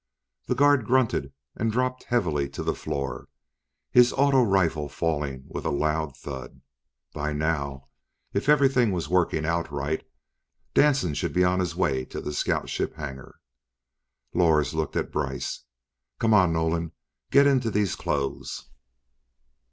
The guard grunted and dropped heavily to the floor, his auto rifle falling with a loud thud. By now, if everything was working out right, Danson should be on his way to the scout ship hangar. Lors looked at Brice. "Come on, Nolan. Get into these clothes!"